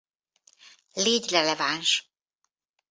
Légy releváns!